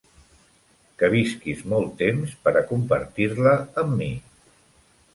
Que visquis molt temps per a compartir-la amb mi!